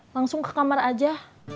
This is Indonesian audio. langsung ke kamar aja